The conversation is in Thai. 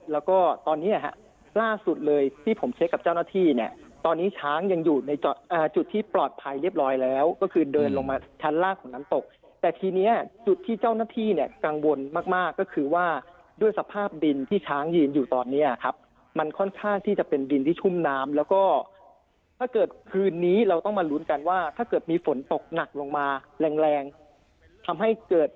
แล้วก็ตอนนี้ฮะล่าสุดเลยที่ผมเช็คกับเจ้าหน้าที่เนี่ยตอนนี้ช้างยังอยู่ในจุดที่ปลอดภัยเรียบร้อยแล้วก็คือเดินลงมาชั้นล่างของน้ำตกแต่ทีนี้จุดที่เจ้าหน้าที่เนี่ยกังวลมากมากก็คือว่าด้วยสภาพดินที่ช้างยืนอยู่ตอนนี้ครับมันค่อนข้างที่จะเป็นดินที่ชุ่มน้ำแล้วก็ถ้าเกิดคืนนี้เราต้องมาลุ้นกันว่าถ้าเกิดมีฝนตกหนักลงมาแรงแรงทำให้เกิด